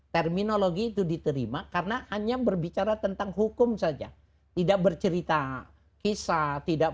terminologi itu diterima karena hanya berbicara tentang hukum saja tidak bercerita kisah tidak